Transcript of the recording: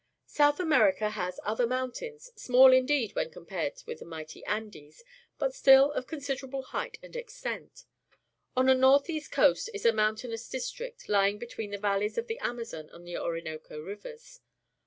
South Amer ica has other mountains, small, indeed, when compared with the mighty ^^^ Statue of Bolivar, the Liberator .\ndes, but still of considerable height and extent. On the north east coast is a moim tainous district, lying between the valleys of the Amazon and Orinoco Rivers.